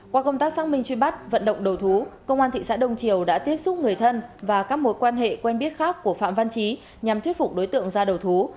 qua công tác xác minh truy bắt vận động đầu thú công an thị xã đông triều đã tiếp xúc người thân và các mối quan hệ quen biết khác của phạm văn trí nhằm thuyết phục đối tượng ra đầu thú